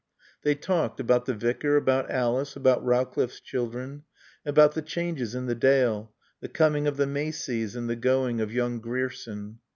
They talked about the Vicar, about Alice, about Rowcliffe's children, about the changes in the Dale, the coming of the Maceys and the going of young Grierson.